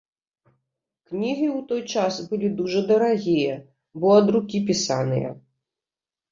Кнігі ў той час былі дужа дарагія, бо ад рукі пісаныя.